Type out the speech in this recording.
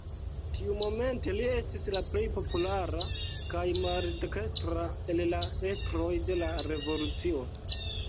Tiumomente li estis la plej populara kaj maldekstra el la estroj de la revolucio.